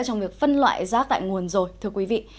trong việc phân loại rác tại nguồn rồi thưa quý vị